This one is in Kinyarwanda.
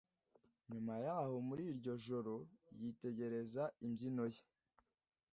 nyuma yaho muri iryo joro yitegereza imbyino ye.